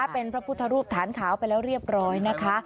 เป็นพระพุทธรูปฐานขาวไปแล้วเรียบร้อยนะคะ